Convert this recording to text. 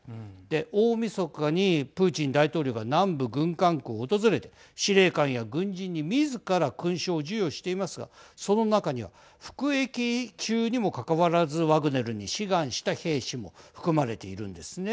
大みそかにプーチン大統領が南部軍管区を訪れて司令官や軍人にみずから勲章を授与していますがその中には服役中にもかかわらずワグネルに志願した兵士も含まれているんですね。